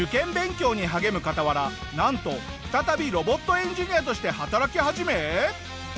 なんと再びロボットエンジニアとして働き始め。